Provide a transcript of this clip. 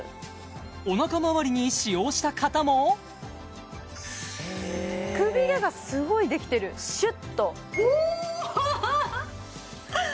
おなかまわりに使用した方もくびれがすごいできてるシュッとおーっ！